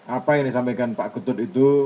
apa yang disampaikan pak ketut itu